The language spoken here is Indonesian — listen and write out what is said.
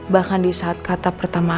bahkan di saat kata pertama